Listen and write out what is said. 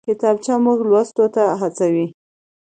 کتابچه موږ لوستو ته هڅوي